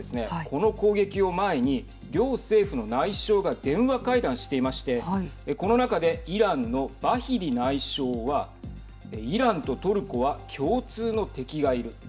この攻撃を前に両政府の内相が電話会談していましてこの中でイランのバヒディ内相はイランとトルコは共通の敵がいる。